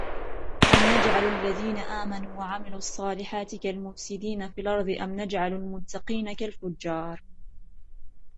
أم نجعل الذين آمنوا وعملوا الصالحات كالمفسدين في الأرض أم نجعل المتقين كالفجار